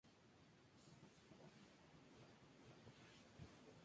Ese año siguió su andadura en A. D. Almansa.